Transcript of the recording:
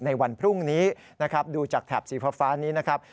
ในวันพรุ่งนี้นะครับดูจากแถบสีฟ้านี้นะครับ